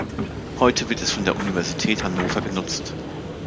Heute wird es von der Universität Hannover genutzt.